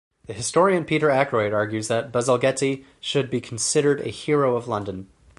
The historian Peter Ackroyd argues that Bazalgette should be considered a hero of London.